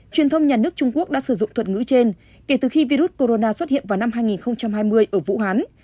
truyền thông nhà nước trung quốc đã sử dụng thuật ngữ trên kể từ khi virus corona xuất hiện vào năm hai nghìn hai mươi ở vũ hán